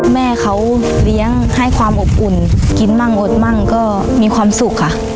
แม่เขาเลี้ยงให้ความอบอุ่นกินมั่งอดมั่งก็มีความสุขค่ะ